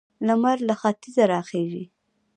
لمر له ختیځه راخيژي.